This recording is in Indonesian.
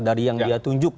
dari yang dia tunjuk